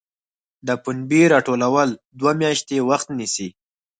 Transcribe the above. د پنبې راټولول دوه میاشتې وخت نیسي.